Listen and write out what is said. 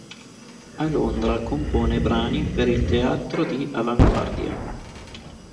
A Londra compone brani per il teatro di avanguardia.